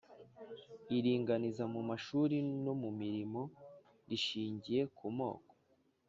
Iringaniza mu mashuri no mu mirimo rishingiye ku moko